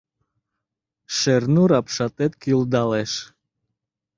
Шернур апшатет кӱлдалеш.